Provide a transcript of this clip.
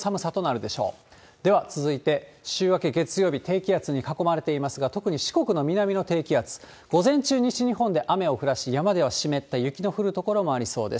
では続いて、週明け月曜日、低気圧に囲まれていますが、特に四国の南の低気圧、午前中、西日本で雨を降らし、山では湿った雪の降る所もありそうです。